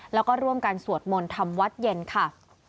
แล้วก็ร่วมกันสวดมนต์ทำวัดเย็นค่ะ